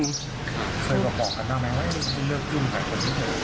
เคยบอกบอกกันได้มั้ยว่าเลือกลุ่มกับคนที่เกิด